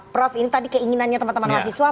prof ini tadi keinginannya teman teman mahasiswa